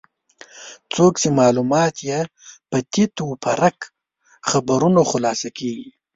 څوک چې معلومات یې په تیت و پرک خبرونو خلاصه کېږي.